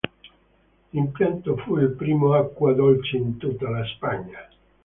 L'impianto fu il primo acqua dolce in tutta la Spagna.